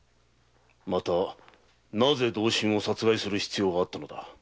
またなぜ同心を殺害する必要があったのだ。